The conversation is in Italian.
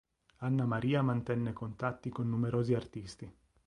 Anna Maria mantenne contatti con numerosi artisti.